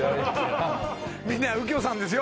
みんな右京さんですよ。